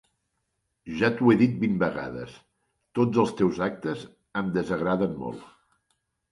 Ja t'ho he dit vint vegades: tots els teus actes em desagraden molt.